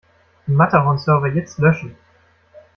Die Matterhorn-Server jetzt löschen!